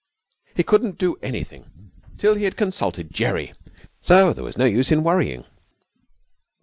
He couldn't do anything till he had consulted Jerry, so there was no use in worrying.